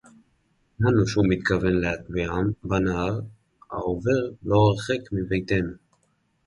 יָדַעְנוּ שֶׁהוּא מִתְכַּוֵּן לְהַטְבִּיעָם בַּנָּהָר הָעוֹבֵר לֹא־הַרְחֵק מִבֵּיתֵנוּ.